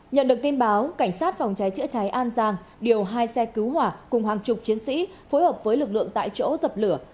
nhận được tin báo cảnh sát phòng cháy chữa cháy an giang điều hai xe cứu hỏa cùng hàng chục chiến sĩ phối hợp với lực lượng tại chỗ dập lửa